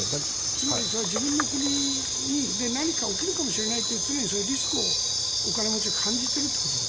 つまりそれは自分の国で何か起きるかもしれないという常にそういうリスクをお金持ちは感じてるということ？